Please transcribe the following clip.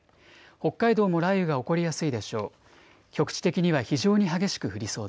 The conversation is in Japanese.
北海道も雷雨が起こりやすいでしょう。